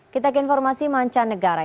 kita ke informasi mancanegara